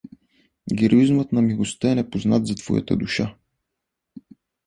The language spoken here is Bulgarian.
Героизмът на милостта е непознат за твоята душа!